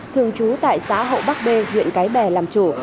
thường trú tại xã hậu bắc b huyện cái bè làm chủ